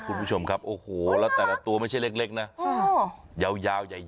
คุณผู้ชมครับโอ้โหแล้วแต่ละตัวไม่ใช่เล็กนะยาวใหญ่